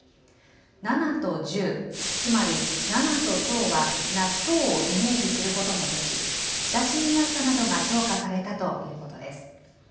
７と１０、つまり、ななととうは、納豆をイメージすることもでき、親しみやすさなどが評価されたということです。